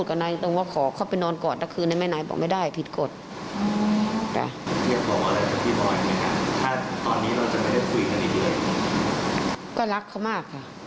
ก็รักเขามากค่ะ